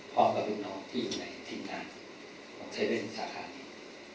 พ่อกับลูกน้องที่อยู่ในที่นานของ๗๑๑สาขานี้